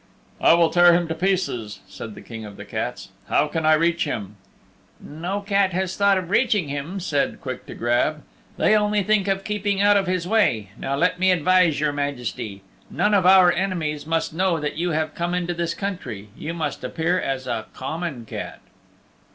"I will tear him to pieces," said the King of the Cats. "How can I reach him?" "No cat has thought of reaching him," said Quick to Grab, "they only think of keeping out of his way. Now let me advise your Majesty. None of our enemies must know that you have come into this country. You must appear as a common cat."